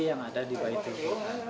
yang ada di baitul